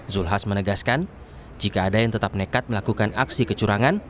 zulkifli hasan menegaskan jika ada yang tetap nekat melakukan aksi kecurangan